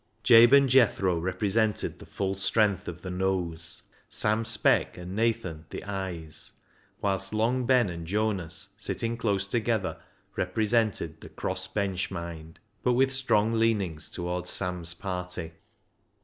Jabe and Jethro represented the full strength of the " Noes "; Sam Speck and Nathan the "Ayes" ; whilst Long Ben and Jonas, sitting close together, represented the "cross bench mind," but with strong leanings towards Sam's party.